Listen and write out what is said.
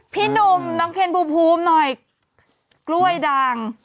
พี่หนุ่มน้องเคนภูมิหน่อยกล้วยดัง